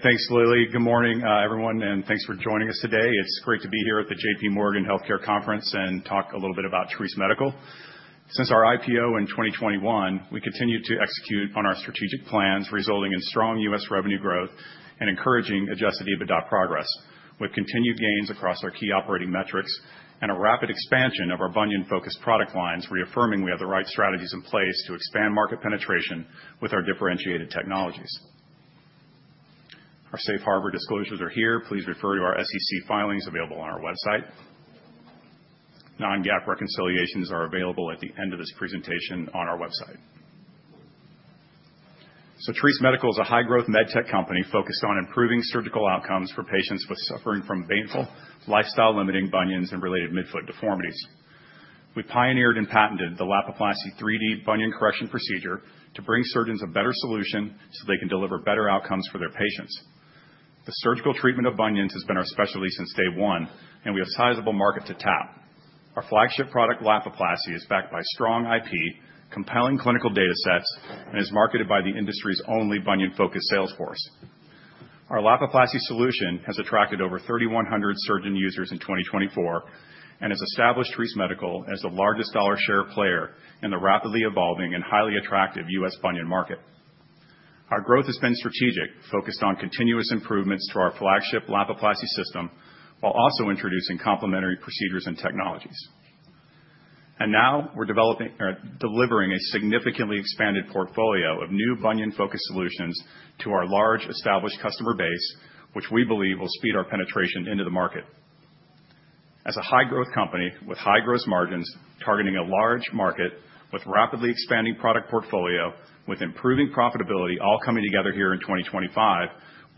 Thanks, Lily. Good morning, everyone, and thanks for joining us today. It's great to be here at the J.P. Morgan Healthcare Conference and talk a little bit about Treace Medical. Since our IPO in 2021, we continue to execute on our strategic plans, resulting in strong U.S. revenue growth and encouraging Adjusted EBITDA progress. With continued gains across our key operating metrics and a rapid expansion of our bunion-focused product lines, reaffirming we have the right strategies in place to expand market penetration with our differentiated technologies. Our safe harbor disclosures are here. Please refer to our SEC filings available on our website. Non-GAAP reconciliations are available at the end of this presentation on our website. So, Treace Medical is a high-growth medtech company focused on improving surgical outcomes for patients suffering from painful, lifestyle-limiting bunions and related midfoot deformities. We pioneered and patented the Lapiplasty 3D Bunion Correction Procedure to bring surgeons a better solution so they can deliver better outcomes for their patients. The surgical treatment of bunions has been our specialty since day one, and we have sizable market to tap. Our flagship product, Lapiplasty, is backed by strong IP, compelling clinical data sets, and is marketed by the industry's only bunion-focused sales force. Our Lapiplasty solution has attracted over 3,100 surgeon users in 2024 and has established Treace Medical as the largest dollar share player in the rapidly evolving and highly attractive U.S. bunion market. Our growth has been strategic, focused on continuous improvements to our flagship Lapiplasty system while also introducing complementary procedures and technologies, and now we're delivering a significantly expanded portfolio of new bunion-focused solutions to our large, established customer base, which we believe will speed our penetration into the market. As a high-growth company with high gross margins, targeting a large market with a rapidly expanding product portfolio, with improving profitability all coming together here in 2025,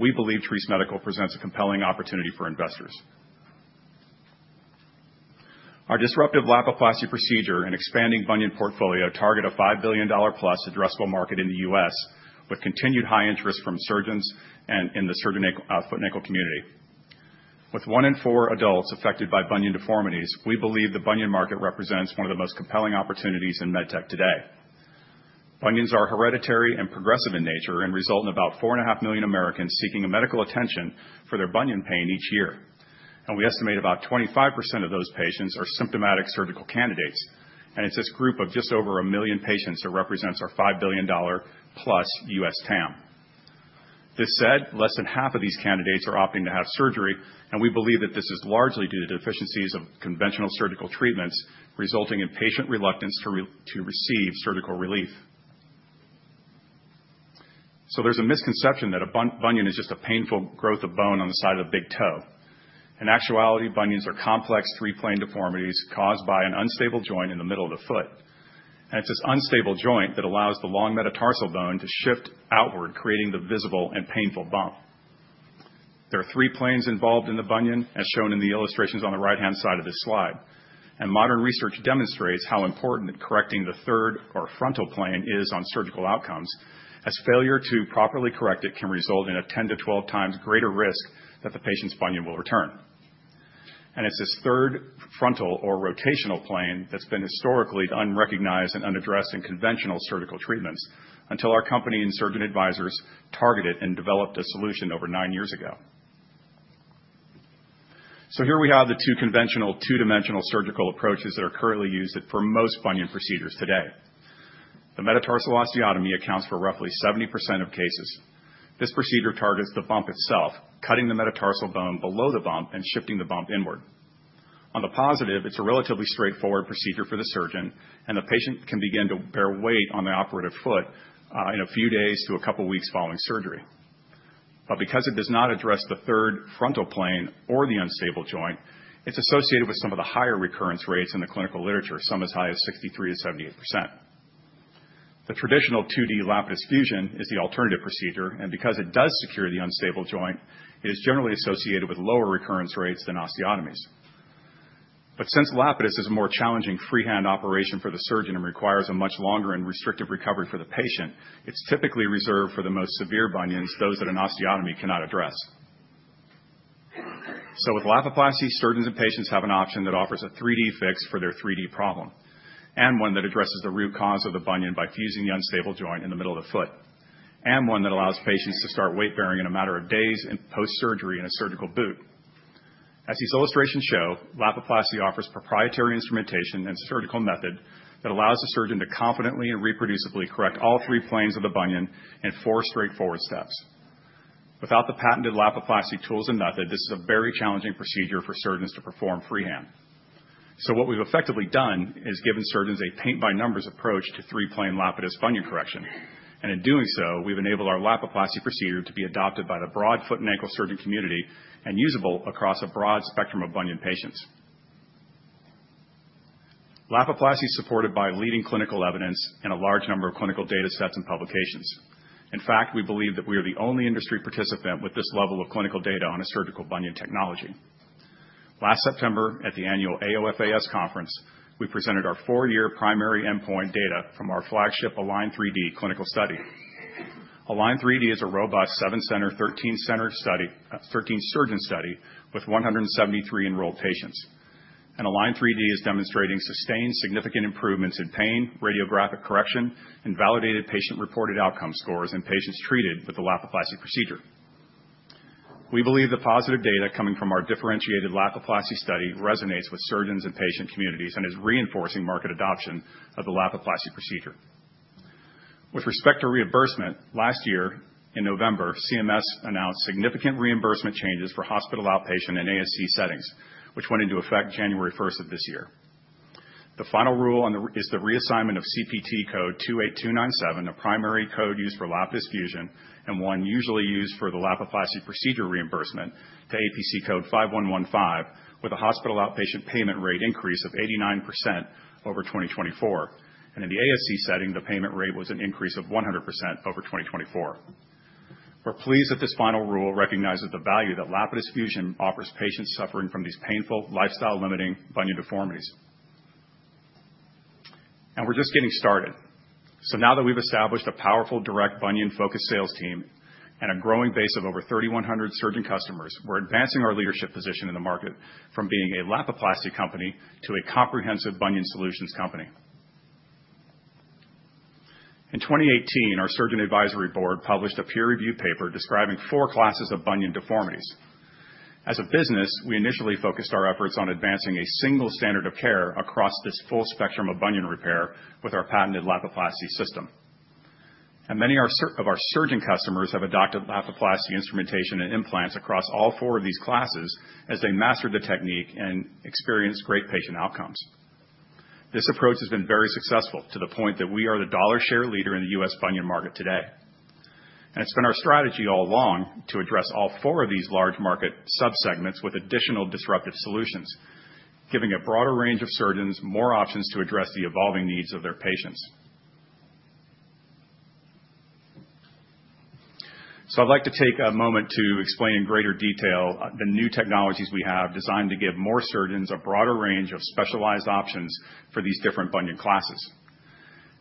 we believe Treace Medical presents a compelling opportunity for investors. Our disruptive Lapiplasty procedure and expanding bunion portfolio target a $5 billion-plus addressable market in the U.S., with continued high interest from surgeons and in the surgical foot and ankle community. With one in four adults affected by bunion deformities, we believe the bunion market represents one of the most compelling opportunities in medtech today. Bunions are hereditary and progressive in nature and result in about 4.5 million Americans seeking medical attention for their bunion pain each year, and we estimate about 25% of those patients are symptomatic surgical candidates, and it's this group of just over a million patients that represents our $5 billion-plus U.S. TAM. That said, less than half of these candidates are opting to have surgery, and we believe that this is largely due to deficiencies of conventional surgical treatments, resulting in patient reluctance to receive surgical relief. So, there's a misconception that a bunion is just a painful growth of bone on the side of the big toe. In actuality, bunions are complex three-plane deformities caused by an unstable joint in the middle of the foot. And it's this unstable joint that allows the long metatarsal bone to shift outward, creating the visible and painful bump. There are three planes involved in the bunion, as shown in the illustrations on the right-hand side of this slide. Modern research demonstrates how important correcting the third, or frontal plane, is on surgical outcomes, as failure to properly correct it can result in a 10 to 12 times greater risk that the patient's bunion will return. It's this third frontal, or rotational plane, that's been historically unrecognized and unaddressed in conventional surgical treatments until our company and surgeon advisors targeted and developed a solution over nine years ago. Here we have the two conventional, two-dimensional surgical approaches that are currently used for most bunion procedures today. The metatarsal osteotomy accounts for roughly 70% of cases. This procedure targets the bump itself, cutting the metatarsal bone below the bump and shifting the bump inward. On the positive, it's a relatively straightforward procedure for the surgeon, and the patient can begin to bear weight on the operative foot in a few days to a couple of weeks following surgery. But because it does not address the third frontal plane or the unstable joint, it's associated with some of the higher recurrence rates in the clinical literature, some as high as 63%-78%. The traditional 2D Lapidus fusion is the alternative procedure, and because it does secure the unstable joint, it is generally associated with lower recurrence rates than osteotomies. But since Lapidus is a more challenging freehand operation for the surgeon and requires a much longer and restrictive recovery for the patient, it's typically reserved for the most severe bunions, those that an osteotomy cannot address. So, with Lapiplasty, surgeons and patients have an option that offers a 3D fix for their 3D problem, and one that addresses the root cause of the bunion by fusing the unstable joint in the middle of the foot, and one that allows patients to start weight-bearing in a matter of days post-surgery in a surgical boot. As these illustrations show, Lapiplasty offers proprietary instrumentation and surgical method that allows the surgeon to confidently and reproducibly correct all three planes of the bunion in four straightforward steps. Without the patented Lapiplasty tools and method, this is a very challenging procedure for surgeons to perform freehand. So, what we've effectively done is given surgeons a paint-by-numbers approach to three-plane Lapidus bunion correction. And in doing so, we've enabled our Lapiplasty procedure to be adopted by the broad foot and ankle surgeon community and usable across a broad spectrum of bunion patients. Lapiplasty is supported by leading clinical evidence and a large number of clinical data sets and publications. In fact, we believe that we are the only industry participant with this level of clinical data on a surgical bunion technology. Last September, at the annual AOFAS Conference, we presented our four-year primary endpoint data from our flagship ALIGN3D clinical study. ALIGN3D is a robust 7-center, 13-surgeon study with 173 enrolled patients. ALIGN3D is demonstrating sustained significant improvements in pain, radiographic correction, and validated patient-reported outcome scores in patients treated with the Lapiplasty procedure. We believe the positive data coming from our differentiated Lapiplasty study resonates with surgeons and patient communities and is reinforcing market adoption of the Lapiplasty procedure. With respect to reimbursement, last year in November, CMS announced significant reimbursement changes for hospital outpatient and ASC settings, which went into effect January 1st of this year. The final rule is the reassignment of CPT code 28297, a primary code used for Lapidus fusion and one usually used for the Lapiplasty procedure reimbursement, to APC code 5115, with a hospital outpatient payment rate increase of 89% over 2024. And in the ASC setting, the payment rate was an increase of 100% over 2024. We're pleased that this final rule recognizes the value that Lapidus fusion offers patients suffering from these painful, lifestyle-limiting bunion deformities. And we're just getting started. So, now that we've established a powerful, direct bunion-focused sales team and a growing base of over 3,100 surgeon customers, we're advancing our leadership position in the market from being a Lapiplasty company to a comprehensive bunion solutions company. In 2018, our Surgeon Advisory Board published a peer-reviewed paper describing four classes of bunion deformities. As a business, we initially focused our efforts on advancing a single standard of care across this full spectrum of bunion repair with our patented Lapiplasty system, and many of our surgeon customers have adopted Lapiplasty instrumentation and implants across all four of these classes as they mastered the technique and experienced great patient outcomes. This approach has been very successful to the point that we are the dollar share leader in the U.S. bunion market today, and it's been our strategy all along to address all four of these large market subsegments with additional disruptive solutions, giving a broader range of surgeons more options to address the evolving needs of their patients, so I'd like to take a moment to explain in greater detail the new technologies we have designed to give more surgeons a broader range of specialized options for these different bunion classes.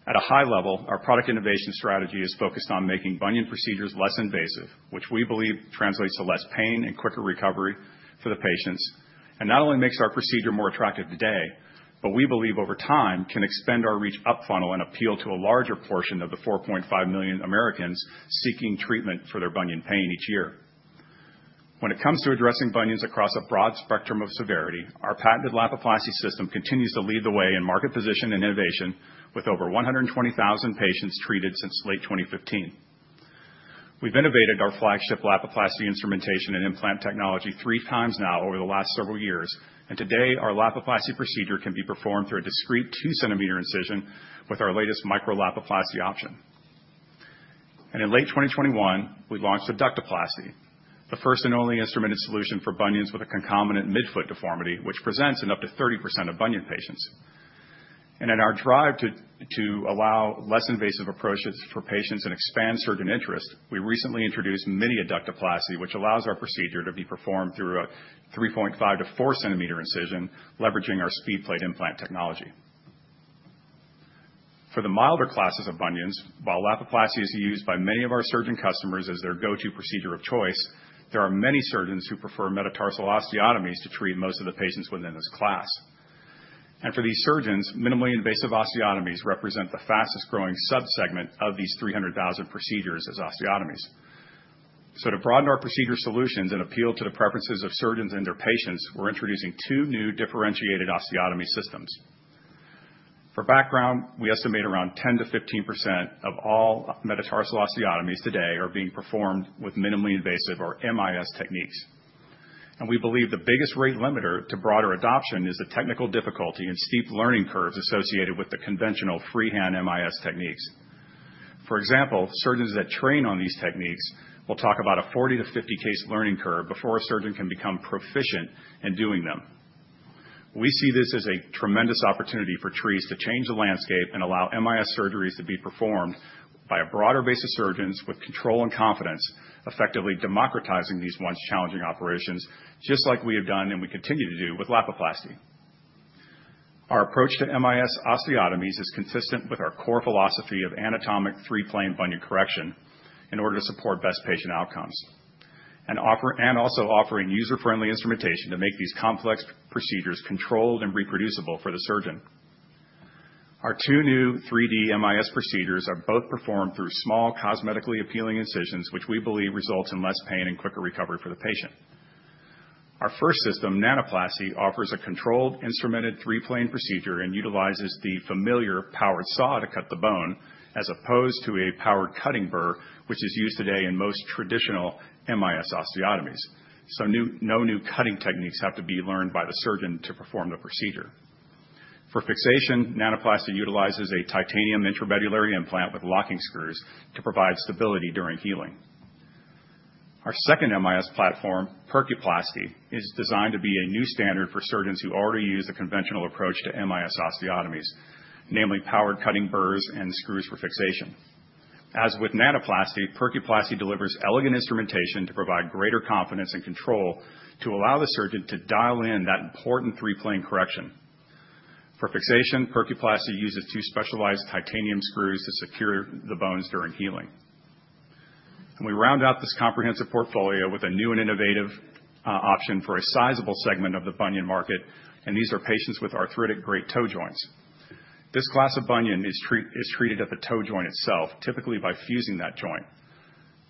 At a high level, our product innovation strategy is focused on making bunion procedures less invasive, which we believe translates to less pain and quicker recovery for the patients, and not only makes our procedure more attractive today, but we believe over time can expand our reach up funnel and appeal to a larger portion of the 4.5 million Americans seeking treatment for their bunion pain each year. When it comes to addressing bunions across a broad spectrum of severity, our patented Lapiplasty system continues to lead the way in market position and innovation with over 120,000 patients treated since late 2015. We've innovated our flagship Lapiplasty instrumentation and implant technology three times now over the last several years, and today, our Lapiplasty procedure can be performed through a discreet 2-centimeter incision with our latest Micro-Lapiplasty option. And in late 2021, we launched Adductoplasty, the first and only instrumented solution for bunions with a concomitant midfoot deformity, which presents in up to 30% of bunion patients. And in our drive to allow less invasive approaches for patients and expand surgeon interest, we recently introduced Mini-Adductoplasty, which allows our procedure to be performed through a 3.5-4 cm incision, leveraging our SpeedPlate implant technology. For the milder classes of bunions, while Lapiplasty is used by many of our surgeon customers as their go-to procedure of choice, there are many surgeons who prefer metatarsal osteotomies to treat most of the patients within this class. And for these surgeons, minimally invasive osteotomies represent the fastest-growing subsegment of these 300,000 procedures as osteotomies. So, to broaden our procedure solutions and appeal to the preferences of surgeons and their patients, we're introducing two new differentiated osteotomy systems. For background, we estimate around 10%-15% of all metatarsal osteotomies today are being performed with minimally invasive, or MIS, techniques. And we believe the biggest rate limiter to broader adoption is the technical difficulty and steep learning curves associated with the conventional freehand MIS techniques. For example, surgeons that train on these techniques will talk about a 40-50-case learning curve before a surgeon can become proficient in doing them. We see this as a tremendous opportunity for Treace to change the landscape and allow MIS surgeries to be performed by a broader base of surgeons with control and confidence, effectively democratizing these once-challenging operations, just like we have done and we continue to do with Lapiplasty. Our approach to MIS osteotomies is consistent with our core philosophy of anatomic three-plane bunion correction in order to support best patient outcomes, and also offering user-friendly instrumentation to make these complex procedures controlled and reproducible for the surgeon. Our two new 3D MIS procedures are both performed through small, cosmetically appealing incisions, which we believe results in less pain and quicker recovery for the patient. Our first system, Nanoplasty, offers a controlled instrumented three-plane procedure and utilizes the familiar powered saw to cut the bone as opposed to a powered cutting burr, which is used today in most traditional MIS osteotomies. So, no new cutting techniques have to be learned by the surgeon to perform the procedure. For fixation, Nanoplasty utilizes a titanium intramedullary implant with locking screws to provide stability during healing. Our second MIS platform, Percuplasty, is designed to be a new standard for surgeons who already use a conventional approach to MIS osteotomies, namely powered cutting burrs and screws for fixation. As with Nanoplasty, Percuplasty delivers elegant instrumentation to provide greater confidence and control to allow the surgeon to dial in that important three-plane correction. For fixation, Percuplasty uses two specialized titanium screws to secure the bones during healing, and we round out this comprehensive portfolio with a new and innovative option for a sizable segment of the bunion market, and these are patients with arthritic great toe joints. This class of bunion is treated at the toe joint itself, typically by fusing that joint.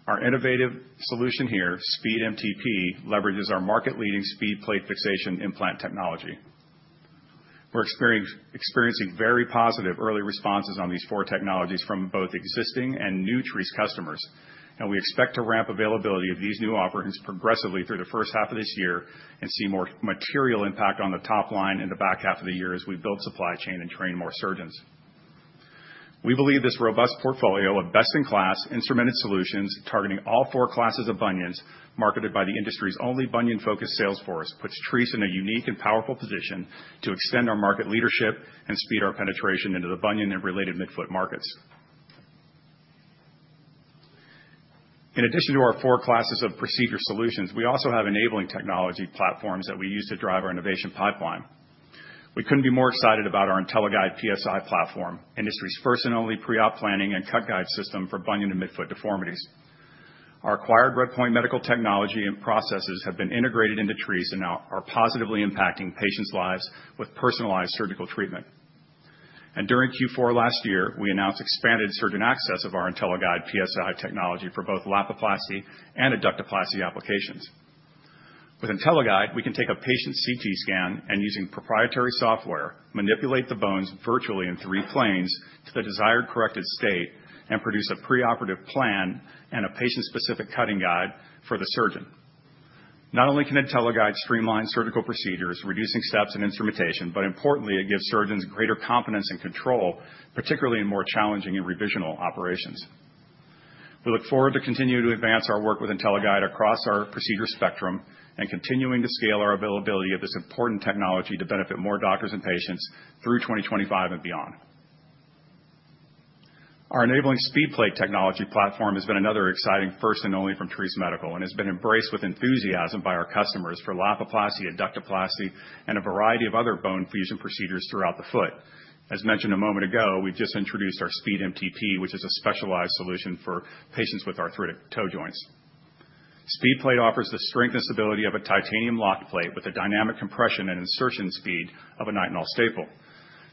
Our innovative solution here, SpeedMTP, leverages our market-leading SpeedPlate fixation implant technology. We're experiencing very positive early responses on these four technologies from both existing and new Treace customers. We expect to ramp availability of these new offerings progressively through the first half of this year and see more material impact on the top line in the back half of the year as we build supply chain and train more surgeons. We believe this robust portfolio of best-in-class instrumented solutions targeting all four classes of bunions marketed by the industry's only bunion-focused sales force puts Treace in a unique and powerful position to extend our market leadership and speed our penetration into the bunion and related midfoot markets. In addition to our four classes of procedure solutions, we also have enabling technology platforms that we use to drive our innovation pipeline. We couldn't be more excited about our IntelliGuide PSI platform, industry's first and only pre-op planning and cut guide system for bunion and midfoot deformities. Our acquired RedPoint Medical technology and processes have been integrated into Treace and are positively impacting patients' lives with personalized surgical treatment, and during Q4 last year, we announced expanded surgeon access of our IntelliGuide PSI technology for both Lapiplasty and Adductoplasty applications. With IntelliGuide, we can take a patient CT scan and, using proprietary software, manipulate the bones virtually in three planes to the desired corrected state and produce a preoperative plan and a patient-specific cutting guide for the surgeon. Not only can IntelliGuide streamline surgical procedures, reducing steps and instrumentation, but importantly, it gives surgeons greater confidence and control, particularly in more challenging and revisional operations. We look forward to continuing to advance our work with IntelliGuide across our procedure spectrum and continuing to scale our availability of this important technology to benefit more doctors and patients through 2025 and beyond. Our enabling SpeedPlate technology platform has been another exciting first and only from Treace Medical and has been embraced with enthusiasm by our customers for Lapiplasty, Adductoplasty, and a variety of other bone fusion procedures throughout the foot. As mentioned a moment ago, we've just introduced our SpeedMTP, which is a specialized solution for patients with arthritic toe joints. SpeedPlate offers the strength and stability of a titanium lock plate with a dynamic compression and insertion speed of a nitinol staple.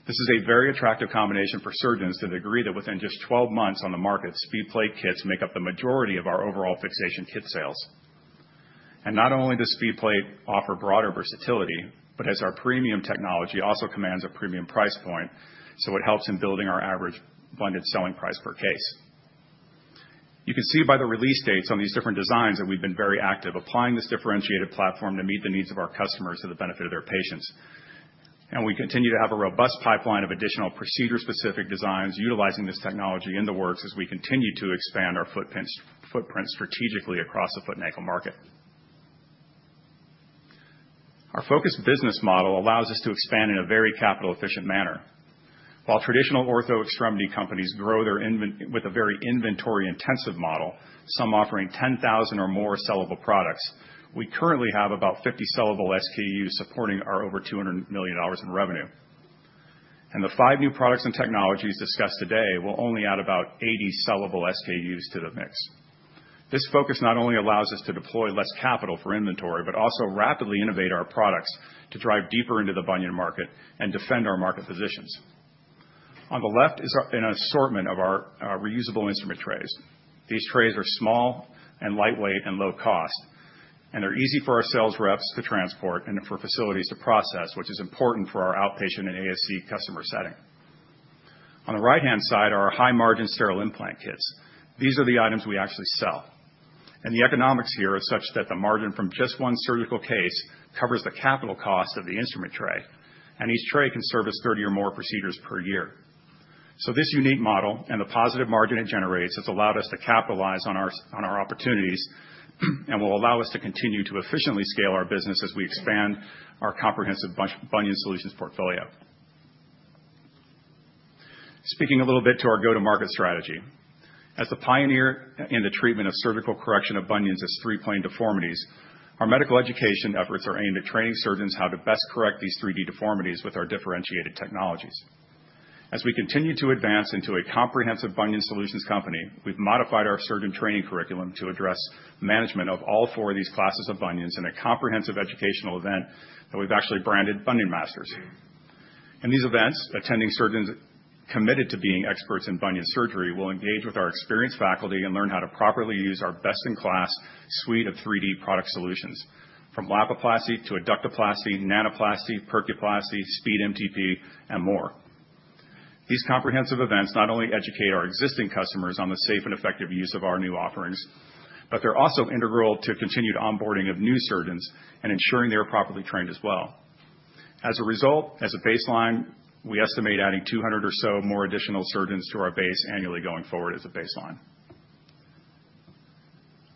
This is a very attractive combination for surgeons to the degree that within just 12 months on the market, SpeedPlate kits make up the majority of our overall fixation kit sales, and not only does SpeedPlate offer broader versatility, but as our premium technology also commands a premium price point, so it helps in building our average bundled selling price per case. You can see by the release dates on these different designs that we've been very active applying this differentiated platform to meet the needs of our customers to the benefit of their patients, and we continue to have a robust pipeline of additional procedure-specific designs utilizing this technology in the works as we continue to expand our footprints strategically across the foot and ankle market. Our focused business model allows us to expand in a very capital-efficient manner. While traditional ortho extremity companies grow with a very inventory-intensive model, some offering 10,000 or more sellable products, we currently have about 50 sellable SKUs supporting our over $200 million in revenue, and the five new products and technologies discussed today will only add about 80 sellable SKUs to the mix. This focus not only allows us to deploy less capital for inventory, but also rapidly innovate our products to drive deeper into the bunion market and defend our market positions. On the left is an assortment of our reusable instrument trays. These trays are small and lightweight and low cost, and they're easy for our sales reps to transport and for facilities to process, which is important for our outpatient and ASC customer setting. On the right-hand side are our high-margin sterile implant kits. These are the items we actually sell, and the economics here are such that the margin from just one surgical case covers the capital cost of the instrument tray, and each tray can service 30 or more procedures per year. So this unique model and the positive margin it generates has allowed us to capitalize on our opportunities and will allow us to continue to efficiently scale our business as we expand our comprehensive bunion solutions portfolio. Speaking a little bit to our go-to-market strategy, as the pioneer in the treatment of surgical correction of bunions as three-plane deformities, our medical education efforts are aimed at training surgeons how to best correct these 3D deformities with our differentiated technologies. As we continue to advance into a comprehensive bunion solutions company, we've modified our surgeon training curriculum to address management of all four of these classes of bunions in a comprehensive educational event that we've actually branded Bunion Masters. In these events, attending surgeons committed to being experts in bunion surgery will engage with our experienced faculty and learn how to properly use our best-in-class suite of 3D product solutions, from Lapiplasty to Adductoplasty, Nanoplasty, Percuplasty, SpeedMTP, and more. These comprehensive events not only educate our existing customers on the safe and effective use of our new offerings, but they're also integral to continued onboarding of new surgeons and ensuring they are properly trained as well. As a result, as a baseline, we estimate adding 200 or so more additional surgeons to our base annually going forward as a baseline.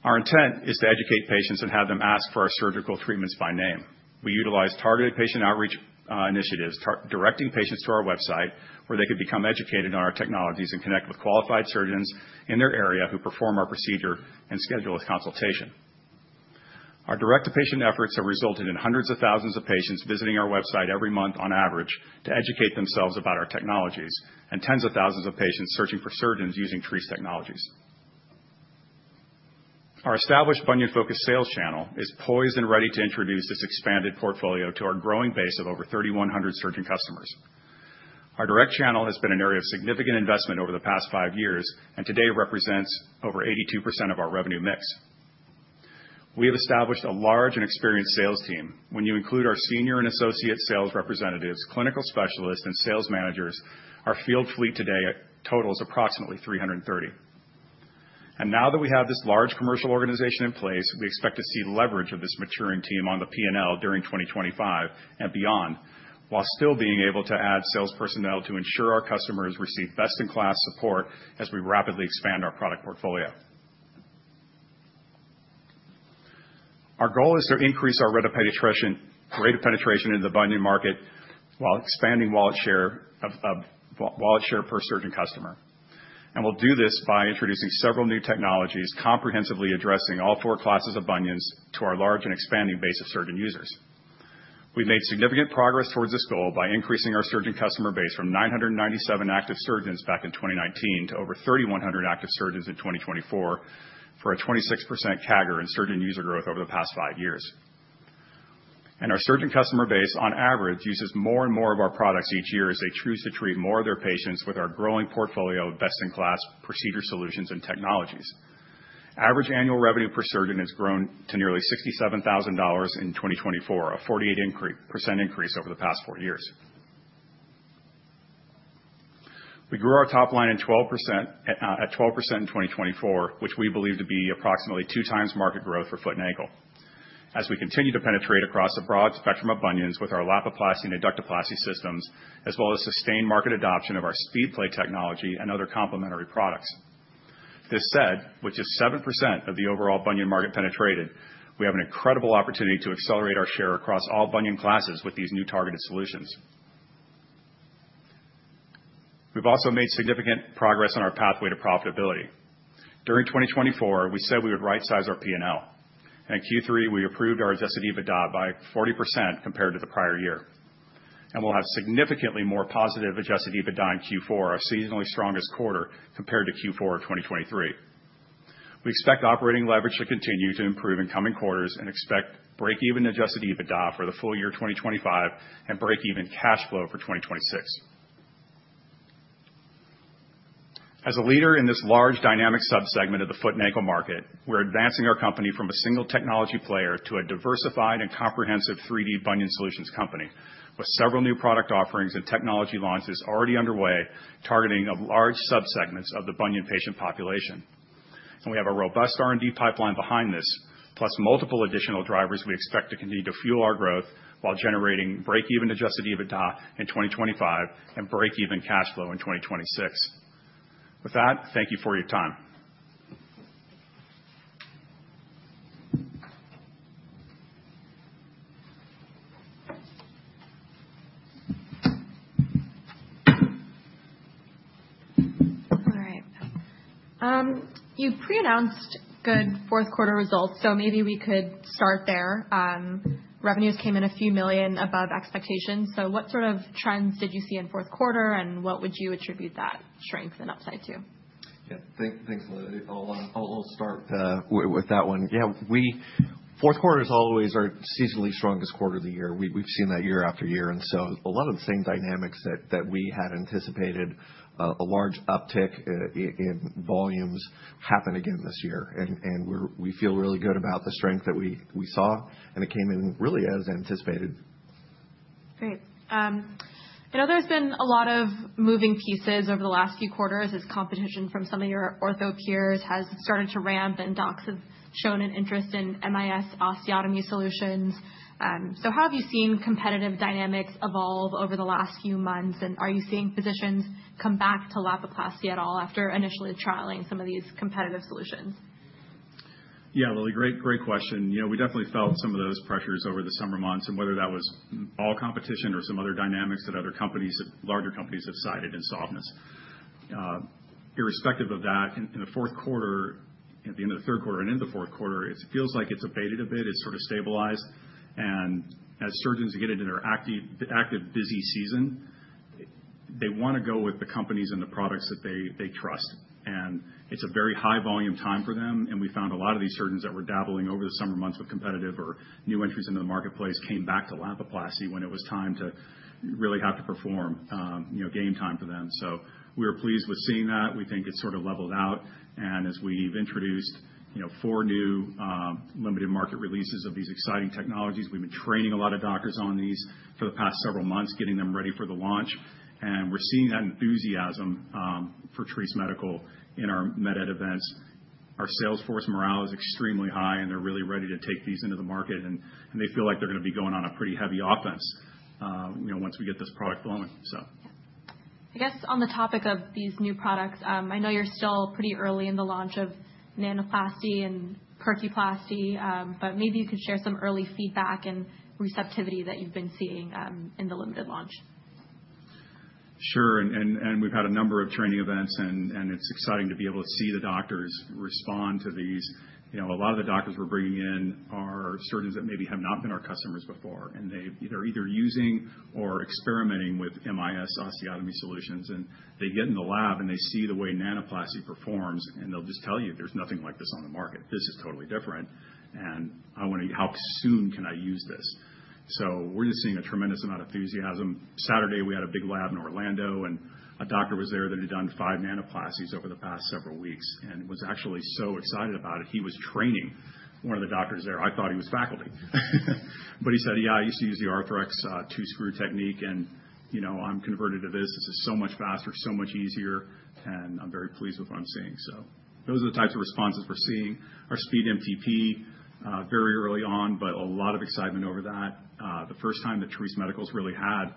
Our intent is to educate patients and have them ask for our surgical treatments by name. We utilize targeted patient outreach initiatives, directing patients to our website where they can become educated on our technologies and connect with qualified surgeons in their area who perform our procedure and schedule a consultation. Our direct-to-patient efforts have resulted in hundreds of thousands of patients visiting our website every month on average to educate themselves about our technologies and tens of thousands of patients searching for surgeons using Treace technologies. Our established bunion-focused sales channel is poised and ready to introduce this expanded portfolio to our growing base of over 3,100 surgeon customers. Our direct channel has been an area of significant investment over the past five years and today represents over 82% of our revenue mix. We have established a large and experienced sales team. When you include our senior and associate sales representatives, clinical specialists, and sales managers, our field fleet today totals approximately 330. Now that we have this large commercial organization in place, we expect to see leverage of this maturing team on the P&L during 2025 and beyond, while still being able to add sales personnel to ensure our customers receive best-in-class support as we rapidly expand our product portfolio. Our goal is to increase our rate of penetration into the bunion market while expanding wallet share per surgeon customer. We'll do this by introducing several new technologies, comprehensively addressing all four classes of bunions to our large and expanding base of surgeon users. We've made significant progress towards this goal by increasing our surgeon customer base from 997 active surgeons back in 2019 to over 3,100 active surgeons in 2024 for a 26% CAGR in surgeon user growth over the past five years. Our surgeon customer base, on average, uses more and more of our products each year as they choose to treat more of their patients with our growing portfolio of best-in-class procedure solutions and technologies. Average annual revenue per surgeon has grown to nearly $67,000 in 2024, a 48% increase over the past four years. We grew our top line at 12% in 2024, which we believe to be approximately two times market growth for foot and ankle, as we continue to penetrate across a broad spectrum of bunions with our Lapiplasty and Adductoplasty systems, as well as sustained market adoption of our SpeedPlate technology and other complementary products. That said, with just 7% of the overall bunion market penetrated, we have an incredible opportunity to accelerate our share across all bunion classes with these new targeted solutions. We've also made significant progress on our pathway to profitability. During 2024, we said we would right-size our P&L. In Q3, we improved our adjusted EBITDA by 40% compared to the prior year. We'll have significantly more positive adjusted EBITDA in Q4, our seasonally strongest quarter compared to Q4 of 2023. We expect operating leverage to continue to improve in coming quarters and expect break-even adjusted EBITDA for the full year 2025 and break-even cash flow for 2026. As a leader in this large dynamic subsegment of the foot and ankle market, we're advancing our company from a single technology player to a diversified and comprehensive 3D bunion solutions company with several new product offerings and technology launches already underway targeting large subsegments of the bunion patient population. We have a robust R&D pipeline behind this, plus multiple additional drivers we expect to continue to fuel our growth while generating break-even Adjusted EBITDA in 2025 and break-even cash flow in 2026. With that, thank you for your time. All right. You pre-announced good fourth-quarter results, so maybe we could start there. Revenues came in a few million above expectations. So what sort of trends did you see in fourth quarter, and what would you attribute that strength and upside to? Yeah, thanks, Lily. I'll start with that one. Yeah, fourth quarter is always our seasonally strongest quarter of the year. We've seen that year after year. And so a lot of the same dynamics that we had anticipated, a large uptick in volumes happened again this year. And we feel really good about the strength that we saw, and it came in really as anticipated. Great. I know there's been a lot of moving pieces over the last few quarters as competition from some of your ortho peers has started to ramp, and docs have shown an interest in MIS osteotomy solutions. So how have you seen competitive dynamics evolve over the last few months, and are you seeing physicians come back to Lapiplasty at all after initially trialing some of these competitive solutions? Yeah, Lily, great question. We definitely felt some of those pressures over the summer months, and whether that was ball competition or some other dynamics that other larger companies have cited in softness. Irrespective of that, in the fourth quarter, at the end of the third quarter and into the fourth quarter, it feels like it's abated a bit, it's sort of stabilized, and as surgeons get into their active busy season, they want to go with the companies and the products that they trust. And it's a very high-volume time for them. And we found a lot of these surgeons that were dabbling over the summer months with competitive or new entries into the marketplace came back to Lapiplasty when it was time to really have to perform game time for them. So we were pleased with seeing that. We think it's sort of leveled out. As we've introduced four new limited market releases of these exciting technologies, we've been training a lot of doctors on these for the past several months, getting them ready for the launch. We're seeing that enthusiasm for Treace Medical in our MedEd events. Our sales force morale is extremely high, and they're really ready to take these into the market. They feel like they're going to be going on a pretty heavy offense once we get this product flowing. I guess on the topic of these new products, I know you're still pretty early in the launch of Nanoplasty and Percuplasty, but maybe you could share some early feedback and receptivity that you've been seeing in the limited launch? Sure. And we've had a number of training events, and it's exciting to be able to see the doctors respond to these. A lot of the doctors we're bringing in are surgeons that maybe have not been our customers before, and they're either using or experimenting with MIS osteotomy solutions. And they get in the lab, and they see the way Nanoplasty performs, and they'll just tell you, "There's nothing like this on the market. This is totally different. And I want to, how soon can I use this?" So we're just seeing a tremendous amount of enthusiasm. Saturday, we had a big lab in Orlando, and a doctor was there that had done five Nanoplasties over the past several weeks and was actually so excited about it. He was training one of the doctors there. I thought he was faculty. But he said, "Yeah, I used to use the Arthrex two-screw technique, and I'm converted to this. This is so much faster, so much easier, and I'm very pleased with what I'm seeing." So those are the types of responses we're seeing. Our SpeedMTP, very early on, but a lot of excitement over that. The first time that Treace Medical's really had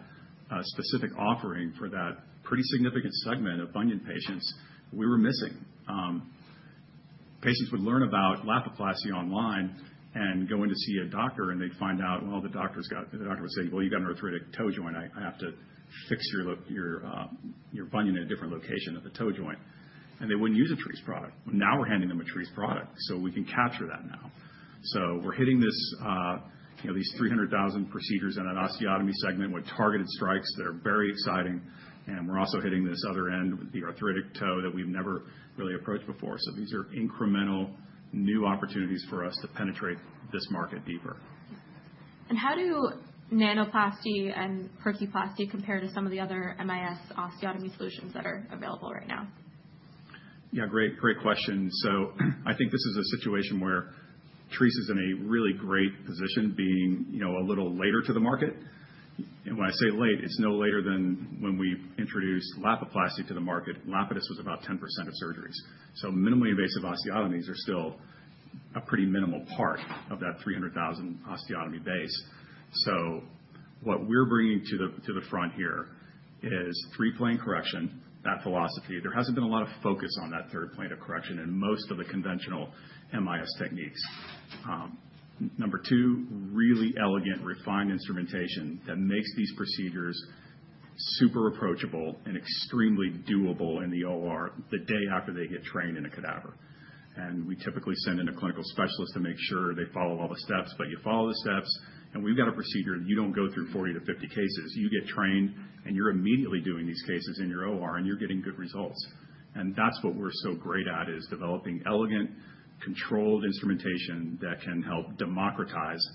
a specific offering for that pretty significant segment of bunion patients, we were missing. Patients would learn about Lapiplasty online and go in to see a doctor, and they'd find out, well, the doctor was saying, "Well, you've got an arthritic toe joint. I have to fix your bunion in a different location at the toe joint." And they wouldn't use a Treace product. Well, now we're handing them a Treace product, so we can capture that now. So we're hitting these 300,000 procedures in an osteotomy segment with targeted strikes that are very exciting. And we're also hitting this other end with the arthritic toe that we've never really approached before. So these are incremental new opportunities for us to penetrate this market deeper. How do Nanoplasty and Percuplasty compare to some of the other MIS osteotomy solutions that are available right now? Yeah, great question, so I think this is a situation where Treace is in a really great position being a little later to the market, and when I say late, it's no later than when we introduced Lapiplasty to the market, Lapidus was about 10% of surgeries, so minimally invasive osteotomies are still a pretty minimal part of that 300,000 osteotomy base, so what we're bringing to the front here is three-plane correction, that philosophy. There hasn't been a lot of focus on that third plane of correction in most of the conventional MIS techniques. Number two, really elegant, refined instrumentation that makes these procedures super approachable and extremely doable in the OR the day after they get trained in a cadaver, and we typically send in a clinical specialist to make sure they follow all the steps. But you follow the steps, and we've got a procedure that you don't go through 40-50 cases. You get trained, and you're immediately doing these cases in your OR, and you're getting good results. And that's what we're so great at, is developing elegant, controlled instrumentation that can help democratize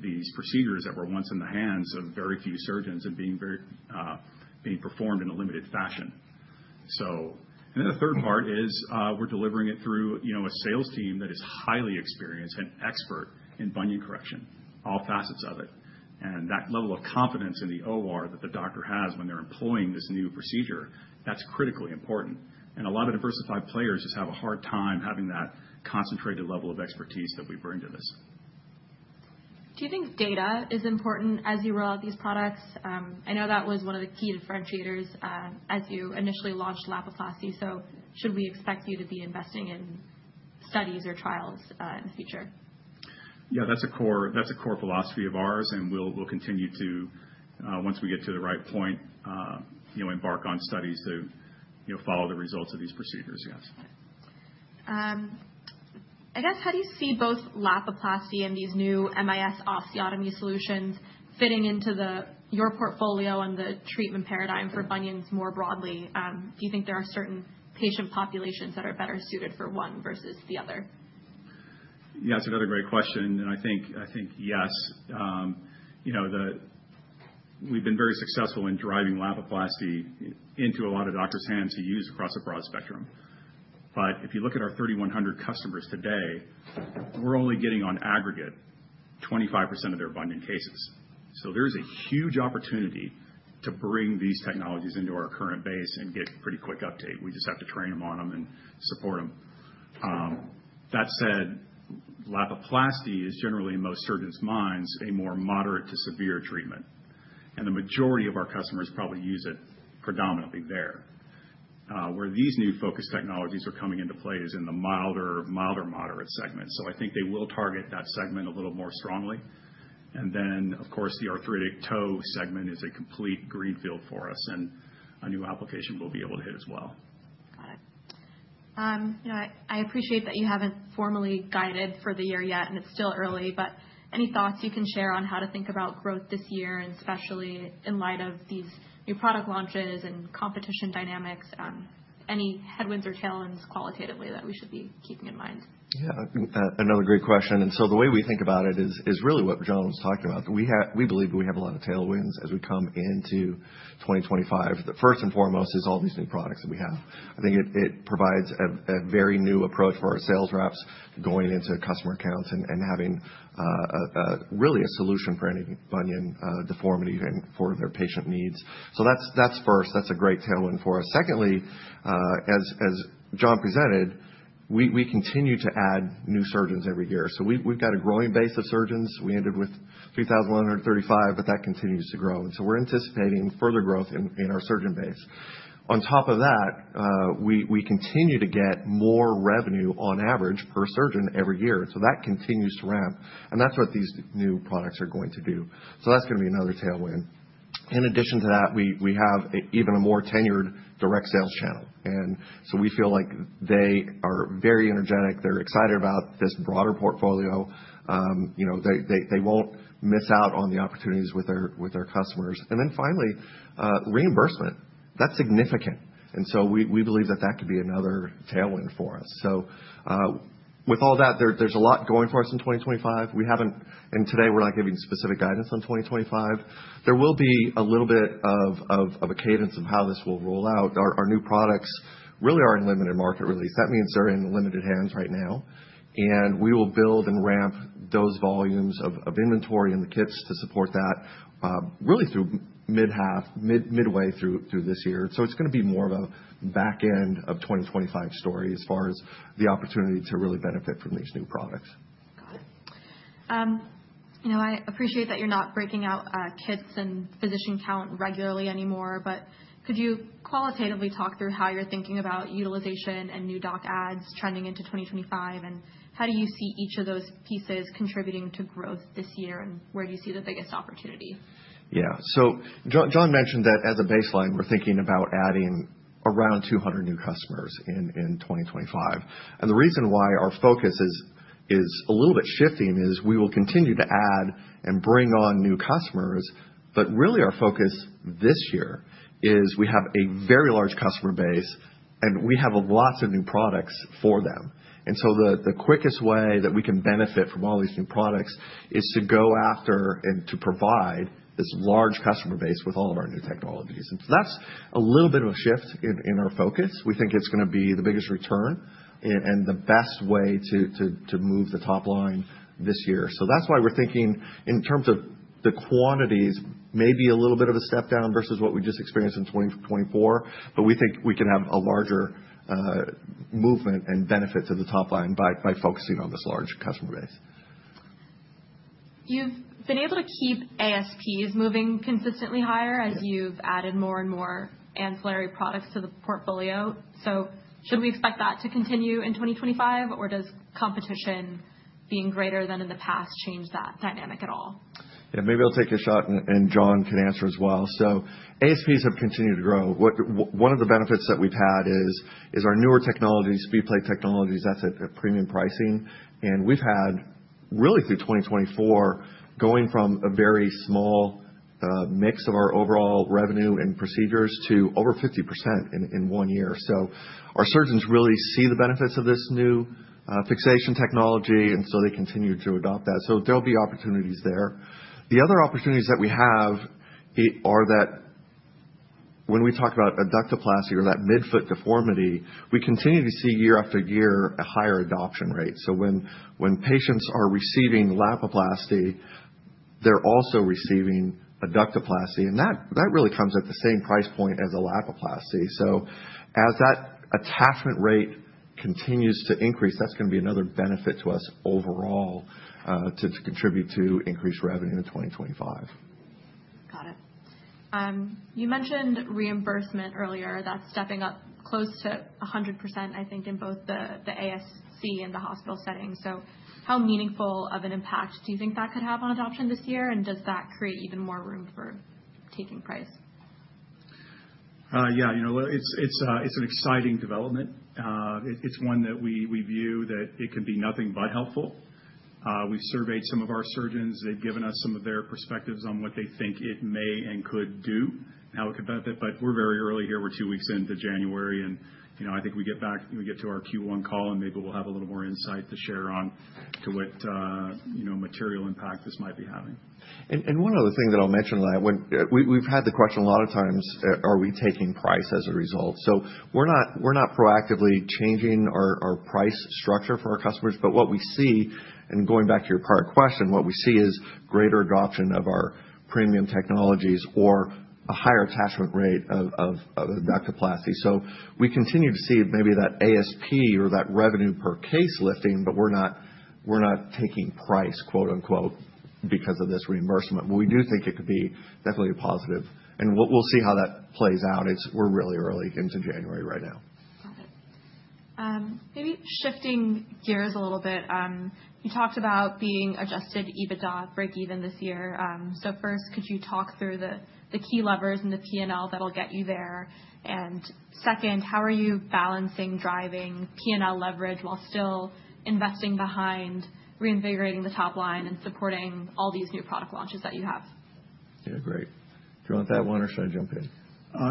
these procedures that were once in the hands of very few surgeons and being performed in a limited fashion. And then the third part is we're delivering it through a sales team that is highly experienced and expert in bunion correction, all facets of it. And that level of confidence in the OR that the doctor has when they're employing this new procedure, that's critically important. And a lot of diversified players just have a hard time having that concentrated level of expertise that we bring to this. Do you think data is important as you roll out these products? I know that was one of the key differentiators as you initially launched Lapiplasty. So should we expect you to be investing in studies or trials in the future? Yeah, that's a core philosophy of ours, and we'll continue to, once we get to the right point, embark on studies to follow the results of these procedures, yes. I guess, how do you see both Lapiplasty and these new MIS osteotomy solutions fitting into your portfolio and the treatment paradigm for bunions more broadly? Do you think there are certain patient populations that are better suited for one versus the other? Yeah, that's another great question. And I think yes. We've been very successful in driving Lapiplasty into a lot of doctors' hands to use across a broad spectrum. But if you look at our 3,100 customers today, we're only getting on aggregate 25% of their bunion cases. So there's a huge opportunity to bring these technologies into our current base and get pretty quick uptake. We just have to train them on them and support them. That said, Lapiplasty is generally in most surgeons' minds a more moderate to severe treatment. And the majority of our customers probably use it predominantly there. Where these new focused technologies are coming into play is in the milder-moderate segment. So I think they will target that segment a little more strongly. Then, of course, the arthritic toe segment is a complete greenfield for us, and a new application will be able to hit as well. Got it. I appreciate that you haven't formally guided for the year yet, and it's still early, but any thoughts you can share on how to think about growth this year, and especially in light of these new product launches and competition dynamics? Any headwinds or tailwinds qualitatively that we should be keeping in mind? Yeah, another great question, and so the way we think about it is really what John was talking about. We believe we have a lot of tailwinds as we come into 2025. First and foremost is all these new products that we have. I think it provides a very new approach for our sales reps going into customer accounts and having really a solution for any bunion deformity and for their patient needs, so that's first. That's a great tailwind for us. Secondly, as John presented, we continue to add new surgeons every year, so we've got a growing base of surgeons. We ended with 3,135, but that continues to grow, and so we're anticipating further growth in our surgeon base. On top of that, we continue to get more revenue on average per surgeon every year, and so that continues to ramp. And that's what these new products are going to do. So that's going to be another tailwind. In addition to that, we have even a more tenured direct sales channel. And so we feel like they are very energetic. They're excited about this broader portfolio. They won't miss out on the opportunities with their customers. And then finally, reimbursement. That's significant. And so we believe that that could be another tailwind for us. So with all that, there's a lot going for us in 2025. And today, we're not giving specific guidance on 2025. There will be a little bit of a cadence of how this will roll out. Our new products really are in limited market release. That means they're in limited hands right now. And we will build and ramp those volumes of inventory and the kits to support that really through midway through this year. So it's going to be more of a back-end of 2025 story as far as the opportunity to really benefit from these new products. Got it. I appreciate that you're not breaking out kits and physician count regularly anymore, but could you qualitatively talk through how you're thinking about utilization and new doc ads trending into 2025? And how do you see each of those pieces contributing to growth this year? And where do you see the biggest opportunity? Yeah. So John mentioned that as a baseline, we're thinking about adding around 200 new customers in 2025. And the reason why our focus is a little bit shifting is we will continue to add and bring on new customers. But really, our focus this year is we have a very large customer base, and we have lots of new products for them. And so the quickest way that we can benefit from all these new products is to go after and to provide this large customer base with all of our new technologies. And so that's a little bit of a shift in our focus. We think it's going to be the biggest return and the best way to move the top line this year. So that's why we're thinking in terms of the quantities, maybe a little bit of a step down versus what we just experienced in 2024, but we think we can have a larger movement and benefit to the top line by focusing on this large customer base. You've been able to keep ASPs moving consistently higher as you've added more and more ancillary products to the portfolio. So should we expect that to continue in 2025, or does competition being greater than in the past change that dynamic at all? Yeah, maybe I'll take a shot, and John can answer as well. So ASPs have continued to grow. One of the benefits that we've had is our newer technologies, SpeedPlate technologies, that's at premium pricing. And we've had really through 2024, going from a very small mix of our overall revenue and procedures to over 50% in one year. So our surgeons really see the benefits of this new fixation technology, and so they continue to adopt that. So there'll be opportunities there. The other opportunities that we have are that when we talk about Adductoplasty or that midfoot deformity, we continue to see year after year a higher adoption rate. So when patients are receiving Lapiplasty, they're also receiving Adductoplasty. And that really comes at the same price point as a Lapiplasty. As that attachment rate continues to increase, that's going to be another benefit to us overall to contribute to increased revenue in 2025. Got it. You mentioned reimbursement earlier. That's stepping up close to 100%, I think, in both the ASC and the hospital setting. So how meaningful of an impact do you think that could have on adoption this year? And does that create even more room for taking price? Yeah, it's an exciting development. It's one that we view that it can be nothing but helpful. We've surveyed some of our surgeons. They've given us some of their perspectives on what they think it may and could do and how it could benefit. But we're very early here. We're two weeks into January. And I think we get to our Q1 call, and maybe we'll have a little more insight to share on what material impact this might be having. And one other thing that I'll mention on that, we've had the question a lot of times, are we taking price as a result? So we're not proactively changing our price structure for our customers. But what we see, and going back to your prior question, what we see is greater adoption of our premium technologies or a higher attachment rate of adductoplasty. So we continue to see maybe that ASP or that revenue per case lifting, but we're not taking price, quote-unquote, because of this reimbursement. But we do think it could be definitely a positive. And we'll see how that plays out. We're really early into January right now. Got it. Maybe shifting gears a little bit. You talked about being Adjusted EBITDA break-even this year. So first, could you talk through the key levers and the P&L that'll get you there? And second, how are you balancing driving P&L leverage while still investing behind reinvigorating the top line and supporting all these new product launches that you have? Yeah, great. Do you want that one, or should I jump in?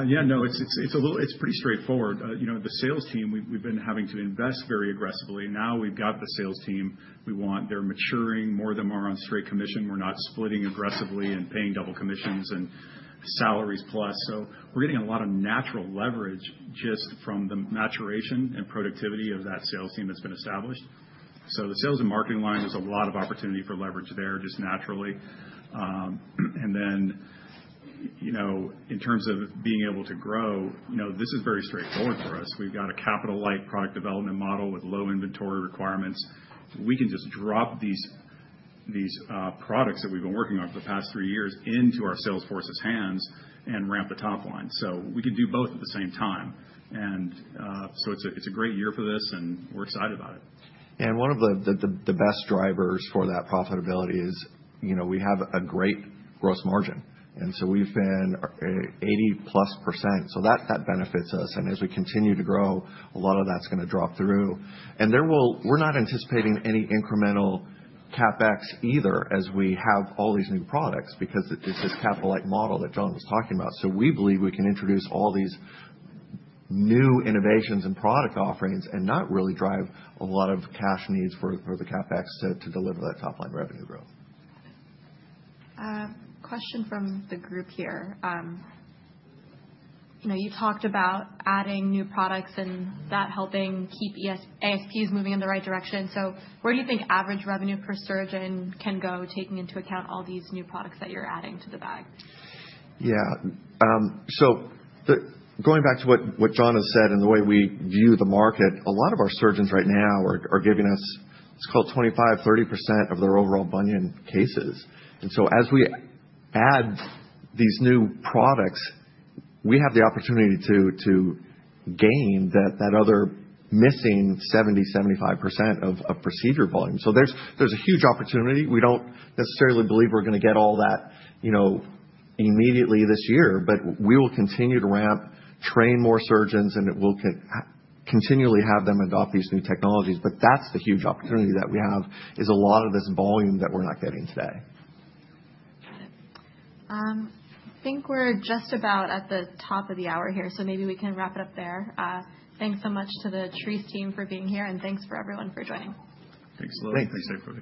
Yeah, no, it's pretty straightforward. The sales team, we've been having to invest very aggressively. Now we've got the sales team we want. They're maturing more than we're on straight commission. We're not splitting aggressively and paying double commissions and salaries plus. So we're getting a lot of natural leverage just from the maturation and productivity of that sales team that's been established. So the sales and marketing line, there's a lot of opportunity for leverage there just naturally. And then in terms of being able to grow, this is very straightforward for us. We've got a capital-light product development model with low inventory requirements. We can just drop these products that we've been working on for the past three years into our sales force's hands and ramp the top line. So we can do both at the same time. It's a great year for this, and we're excited about it. One of the best drivers for that profitability is we have a great gross margin. So we've been 80+%. So that benefits us. As we continue to grow, a lot of that's going to drop through. We're not anticipating any incremental CapEx either as we have all these new products because it's this capital-light model that John was talking about. So we believe we can introduce all these new innovations and product offerings and not really drive a lot of cash needs for the CapEx to deliver that top-line revenue growth. Got it. Question from the group here. You talked about adding new products and that helping keep ASPs moving in the right direction. So where do you think average revenue per surgeon can go taking into account all these new products that you're adding to the bag? Yeah. So going back to what John has said and the way we view the market, a lot of our surgeons right now are giving us, it's called 25%-30% of their overall bunion cases. And so as we add these new products, we have the opportunity to gain that other missing 70%-75% of procedure volume. So there's a huge opportunity. We don't necessarily believe we're going to get all that immediately this year, but we will continue to ramp, train more surgeons, and we'll continually have them adopt these new technologies. But that's the huge opportunity that we have is a lot of this volume that we're not getting today. Got it. I think we're just about at the top of the hour here, so maybe we can wrap it up there. Thanks so much to the Treace team for being here, and thanks for everyone for joining. Thanks, Lily. Thanks. Thanks, April.